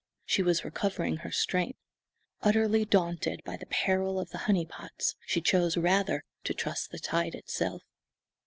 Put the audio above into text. She was recovering her strength. Utterly daunted by the peril of the "honey pots," she chose rather to trust the tide itself.